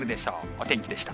お天気でした。